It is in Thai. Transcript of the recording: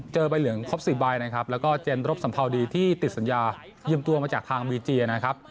ใบเหลืองครบ๔ใบนะครับแล้วก็เจนรบสัมภาวดีที่ติดสัญญายืมตัวมาจากทางบีเจียนะครับ